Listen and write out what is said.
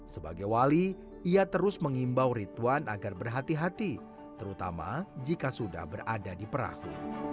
sebagai wali ia terus mengimbau rituan agar berhati hati terutama jika sudah berada di perahu